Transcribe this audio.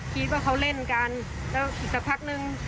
พี่ก็เล่นกันแล้วอีกสักพักหนึ่ง